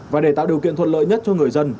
và để tạo điều kiện thuận lợi nhất cho người dân